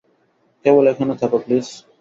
কেবল এখানে থাকো, প্লিজ।